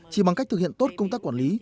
chỉ bằng cách thực hiện tốt công tác quản lý